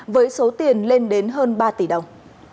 với số tiền lên đến hơn ba tỷ đồng